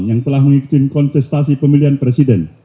yang telah memimpin kontestasi pemilihan presiden